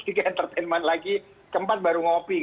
tiga entertainment lagi keempat baru ngopi